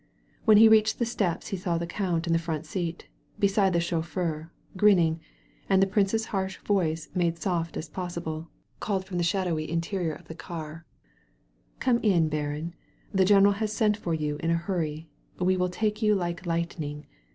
When he reached the steps he saw the comit in the front seat, beside the chauffeur^ grinning; and the prince's harsh voice, made soft as possible, called from the shadowy interior of the car: "Come in, baron. The general has sent for you in a hurry. We will take you like lightning.